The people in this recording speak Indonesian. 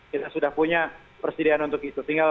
kita sudah punya persediaan untuk itu